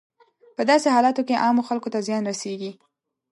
په داسې حالاتو کې عامو خلکو ته زیان رسیږي.